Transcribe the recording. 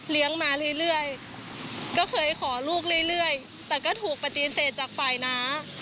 มาเรื่อยก็เคยขอลูกเรื่อยแต่ก็ถูกปฏิเสธจากฝ่ายน้า